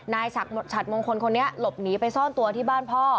ฉัดมงคลคนนี้หลบหนีไปซ่อนตัวที่บ้านพ่อ